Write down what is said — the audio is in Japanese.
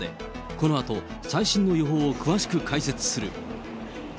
このあと、最新の予報を詳しく解説する。